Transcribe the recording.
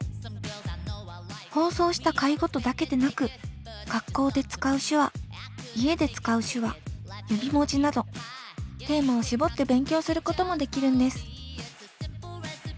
放送した回ごとだけでなく学校で使う手話家で使う手話指文字などテーマを絞って勉強することもできるんです。